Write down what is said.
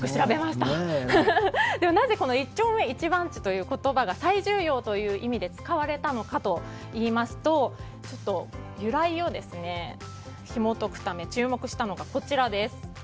では、なぜ一丁目一番地という言葉が最重要という意味で使われたのかといいますと由来をひも解くため注目したのがこちらです。